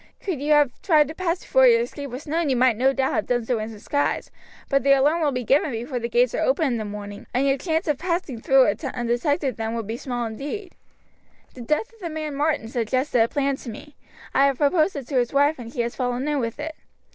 Could you have tried to pass before your escape was known you might no doubt have done so in disguise, but the alarm will be given before the gates are open in the morning, and your chance of passing through undetected then would be small indeed. The death of the man Martin suggested a plan to me. I have proposed it to his wife, and she has fallen in with it.